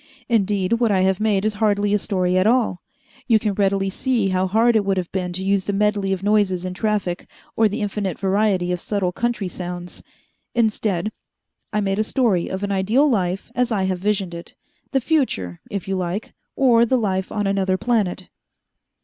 Indeed, what I have made is hardly a story at all. You can readily see how hard it would have been to use the medley of noises in traffic, or the infinite variety of subtle country sounds. Instead, I made a story of an ideal life as I have visioned it the future, if you like, or the life on another planet."